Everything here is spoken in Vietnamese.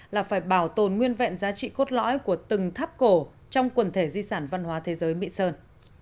là phải bảo tồn nguyên vẹn giá trị cốt lõi của từng tháp cổ trong quần thể di sản văn hóa thế giới mỹ sơn